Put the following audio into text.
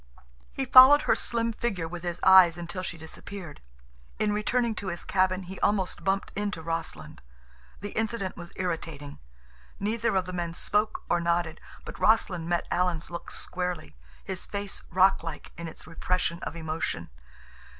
He followed her slim figure with his eyes until she disappeared. In returning to his cabin he almost bumped into Rossland. The incident was irritating. Neither of the men spoke or nodded, but Rossland met Alan's look squarely, his face rock like in its repression of emotion.